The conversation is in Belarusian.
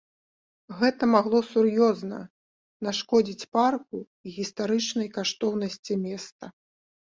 Гэта магло сур'ёзна нашкодзіць парку і гістарычнай каштоўнасці места.